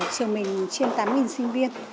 trường mình chuyên tám sinh viên